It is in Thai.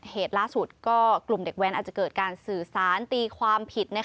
เหตุล่าสุดก็กลุ่มเด็กแว้นอาจจะเกิดการสื่อสารตีความผิด